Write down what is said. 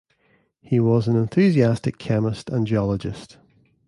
He was an enthusiastic chemist and geologist.